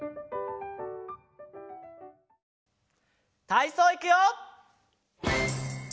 たいそういくよ！